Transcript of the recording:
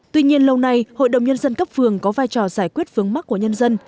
tuy nhiên lâu nay hội đồng nhân dân cấp phường có vai trò giải quyết vướng mắt của nhân dân